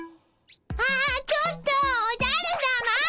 あっちょっとおじゃるさま！